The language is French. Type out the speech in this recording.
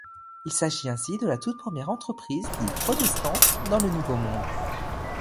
Il s'agit ainsi de la toute première entreprise dite protestante dans le Nouveau Monde.